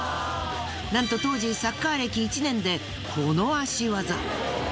なんと当時サッカー歴１年でこの足技。